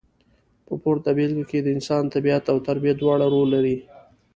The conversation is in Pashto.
په پورته بېلګه کې د انسان طبیعت او تربیه دواړه رول لري.